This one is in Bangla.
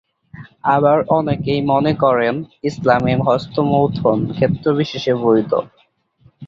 আবার অনেকে মনে করেন ইসলামে হস্তমৈথুন ক্ষেত্রবিশেষে বৈধ।